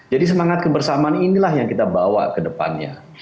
jadi semangat kebersamaan inilah yang kita bawa ke depannya